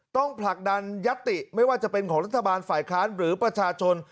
ผลักดันยัตติไม่ว่าจะเป็นของรัฐบาลฝ่ายค้านหรือประชาชน